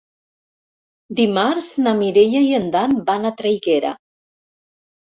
Dimarts na Mireia i en Dan van a Traiguera.